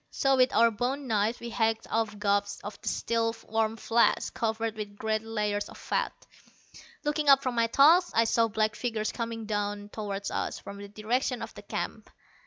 So with our bone knives we hacked off gobs of the still warm flesh, covered with great layers of fat. Looking up from my task, I saw black figures coming toward us from the direction of the camp.